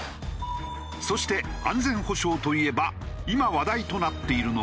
そして安全保障といえば今話題となっているのが。